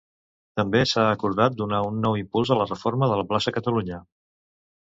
També s'ha acordat donar un nou impuls a la reforma de la plaça Catalunya.